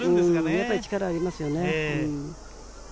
やはり力がありますよね。